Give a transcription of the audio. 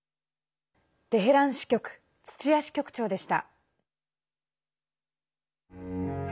テヘラン支局土屋支局長でした。